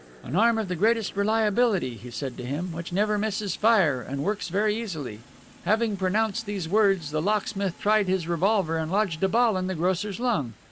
'An arm of the greatest reliability,' he said to him, 'which never misses fire and which works very easily.' Having pronounced these words, the locksmith tried his revolver and lodged a ball in the grocer's lung.